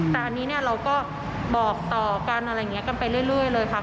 แต่อันนี้เนี่ยเราก็บอกต่อกันอะไรอย่างนี้กันไปเรื่อยเลยค่ะ